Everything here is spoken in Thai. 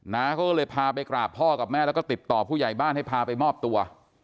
น้าเขาก็เลยพาไปกราบพ่อกับแม่แล้วก็ติดต่อผู้ใหญ่บ้านให้พาไปมอบตัว